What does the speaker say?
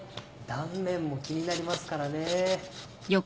断面も気になりますからね。